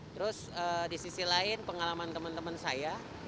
terus di sisi lain pengalaman teman teman saya